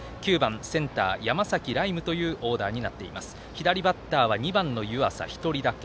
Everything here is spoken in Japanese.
左バッターは２番の湯淺１人だけ。